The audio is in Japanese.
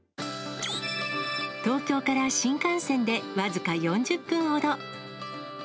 東京から新幹線で僅か４０分ほど。